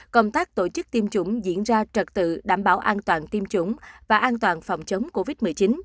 công tác tổ chức tiêm chủng diễn ra trật tự đảm bảo an toàn tiêm chủng và an toàn phòng chống covid một mươi chín